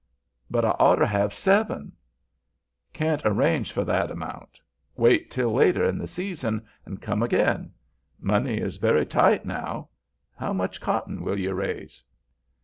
"But I oughter have seven." "Can't arrange for that amount. Wait till later in the season, and come again. Money is very tight now. How much cotton will you raise?"